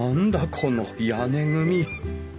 この屋根組！